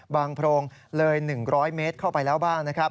บางโพรงเลย๑๐๐เมตรเข้าไปแล้วบ้าง